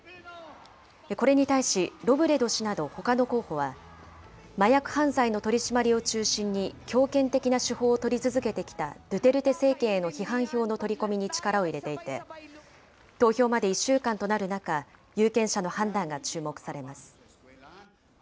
これに対し、ロブレド氏などほかの候補は、麻薬犯罪の取締りを中心に強権的な手法を取り続けてきたドゥテルテ政権への批判票の取り込みに力を入れていて、投票まで１週間となる中、有権者の判断が注目されます。